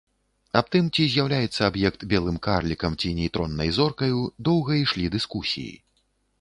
Аб тым, ці з'яўляецца аб'ект белым карлікам ці нейтроннай зоркаю, доўга ішлі дыскусіі.